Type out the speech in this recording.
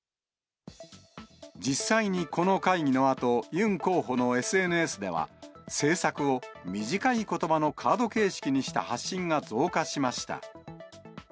実際にこの会議のあと、ユン候補のＳＮＳでは、政策を短いことばのカード形式にした発信が増加しました。